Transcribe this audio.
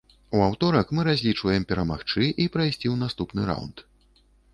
У аўторак мы разлічваем перамагчы і прайсці ў наступны раўнд.